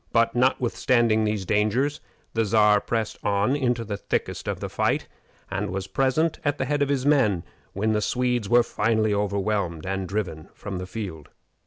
But, notwithstanding these dangers, the Czar pressed on into the thickest of the fight, and was present at the head of his men when the Swedes were finally overwhelmed and driven from the field.